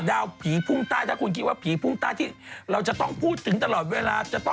ดาวผีภูมิใต้ถ้าคุณคิดว่าผีภูมิใต้ที่เราจะต้องพูดถึงตลอดเวลา